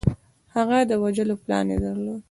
هغه د وژلو پلان یې درلود